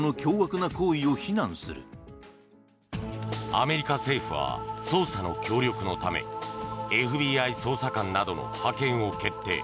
アメリカ政府は捜査の協力のためＦＢＩ捜査官などの派遣を決定。